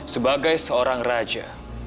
sebagai seorang raja